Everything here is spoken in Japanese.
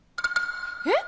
えっ？